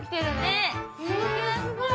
すごい！